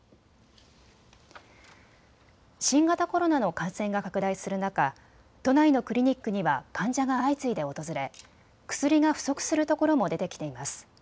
新型コロナの感染が拡大する中、都内のクリニックには患者が相次いで訪れ薬が不足するところも出てきています。